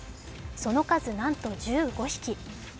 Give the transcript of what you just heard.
その数なんと１５匹。